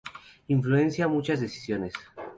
Influencia muchas decisiones.